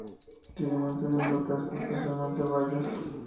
Se alimenta de frutas, especialmente bayas.